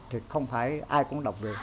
thì không phải ai cũng đọc được